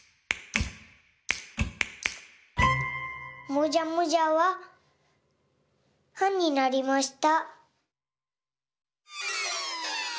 もじゃもじゃは「は」になりました。